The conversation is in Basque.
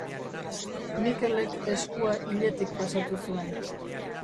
Mikelek eskua iletik pasatu zuen.